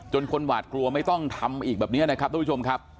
จนคนหวาดกลัวไม่ต้องทำอีกแบบนี้ท่านผู้ชมครับ